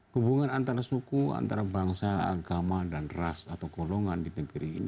hubungan antara suku antara bangsa agama dan ras atau golongan di negeri ini